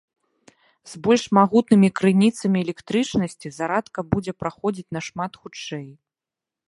З больш магутнымі крыніцамі электрычнасці зарадка будзе праходзіць нашмат хутчэй.